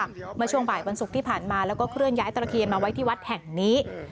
เมื่อช่วงบ่ายวันศุกร์ที่ผ่านมาแล้วก็เคลื่อนย้ายตะเคียนมาไว้ที่วัดแห่งนี้